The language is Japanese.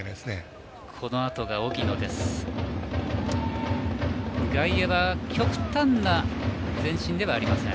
このあとが荻野です。